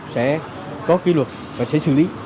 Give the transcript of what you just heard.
sẽ có kỷ luật và sẽ xử lý